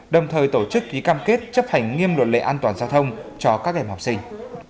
đồng thời tổ chức ký cam kết chấp hành nghiêm luật lệ an toàn giao thông cho các em học sinh